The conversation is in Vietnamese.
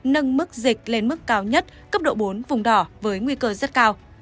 nâng mức dịch lên mức cao nhất cấp độ bốn vùng đỏ với nguy cơ rất cao